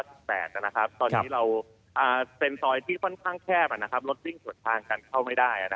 ตอนนี้เราเป็นซอยที่ค่อนข้างแคบรถวิ่งสวนทางกันเข้าไม่ได้